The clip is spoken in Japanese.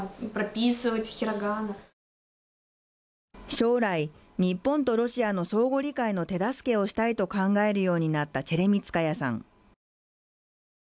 将来、日本とロシアの相互理解の手助けをしたいと考えるようになったチェレミツカヤさん。